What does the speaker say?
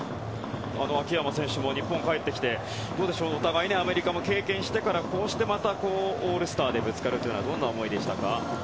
秋山選手も日本に帰ってきてお互い、アメリカも経験してからこうしてまたオールスターでぶつかるのはどんな思いですか。